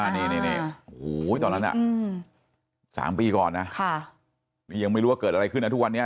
นี่ตอนนั้น๓ปีก่อนนะนี่ยังไม่รู้ว่าเกิดอะไรขึ้นนะทุกวันนี้